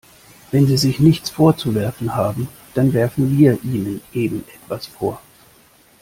Wenn Sie sich nichts vorzuwerfen haben, dann werfen wir Ihnen eben etwas vor.